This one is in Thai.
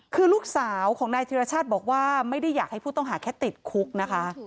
คือลูกสาวของนายธิรชาติบอกว่าไม่ได้อยากให้ผู้ต้องหาแค่ติดคุกนะคะ